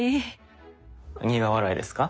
苦笑いですか？